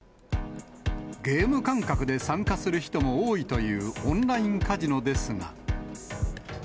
ゲーム感覚で参加する人も多いというオンラインカジノですが。